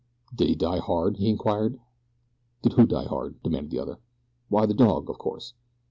"Did he die hard?" he inquired. "Did who die hard?" demanded the other. "Why the dog, of course."